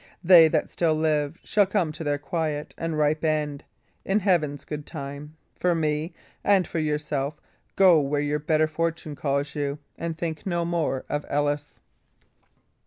They that still live shall come to their quiet and ripe end, in Heaven's good time, for me; and for yourself, go where your better fortune calls you, and think no more of Ellis."